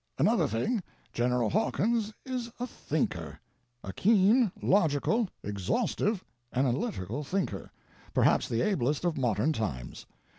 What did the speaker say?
Another thing—General Hawkins is a thinker; a keen, logical, exhaustive, analytical thinker—perhaps the ablest of modern times.